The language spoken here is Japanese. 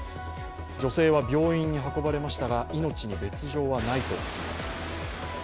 女性は病院に運ばれましたが、命に別状はないということです。